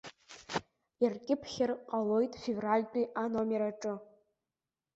Иркьыԥхьыр ҟалоит февральтәи аномер аҿы.